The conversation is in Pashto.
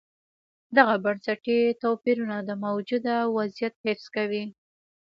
دغه بنسټي توپیرونه د موجوده وضعیت حفظ کوي.